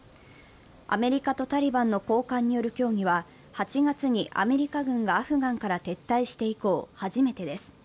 アメリカとタリバンの高官による協議は、８月にアメリカ軍がアフガンから撤退して以降、初めてです。